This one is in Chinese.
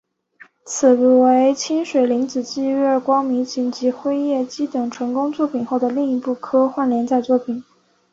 此为清水玲子继月光迷情及辉夜姬等成功作品后的另一部科幻连载作品。